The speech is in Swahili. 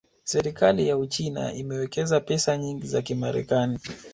Serikali ya Uchina imewekeza pesa nyingi za Kimarekani